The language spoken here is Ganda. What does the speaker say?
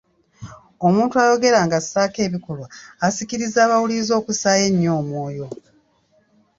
Omuntu ayogera ng'assaako n'ebikolwa asikiriza abawuliriza okussaayo ennyo omwoyo.